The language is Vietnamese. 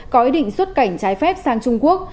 có ý định xuất cảnh trái phép sang trung quốc